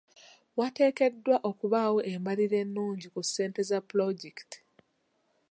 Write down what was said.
Wateekeddwa okubaawo embalirira ennungi ku ssente za pulojekiti.